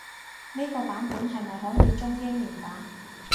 呢個版本係咪可以中英連打？